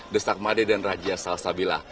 desak made dan rajia salsabila